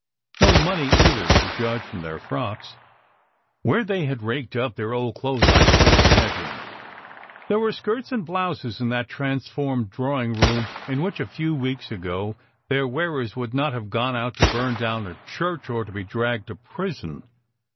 No money, either, to judge from their frocks! Where they had raked up their old clothes, I can t imagine. There were skirts and blouses in that transformed drawing room in which, a few weeks ago, their wearers would not have gone out to burn down a church or to be dragged to prison.